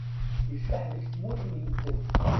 Ijaḥ deg tmura n medden.